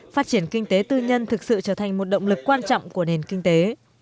phát triển kinh tế tư nhân thực sự trở thành một động lực quan trọng của nền kinh tế